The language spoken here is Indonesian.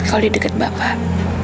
kalau didekat bapak